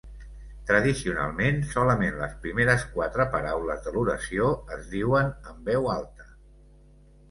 Tradicionalment, solament les primeres quatre paraules de l'oració es diuen en veu alta.